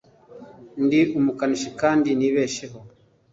ndi umukanishi kandi nibesheho